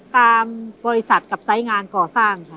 ตามภัยกรศัตริย์และสายงานก่อสร้าง